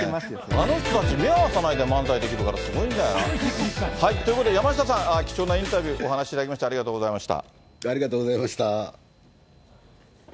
あの人たち、目を合わせないで漫才できるからすごいんじゃない？ということで、山下さん、貴重なインタビュー、お話しいただきまありがとうございました。